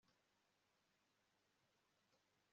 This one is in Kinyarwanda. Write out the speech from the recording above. n'ibyuma byo gushyira ku mafarasi ye